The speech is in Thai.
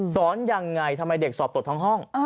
สอนอย่างไรทำไมเด็กสอบตกทั้งห้อง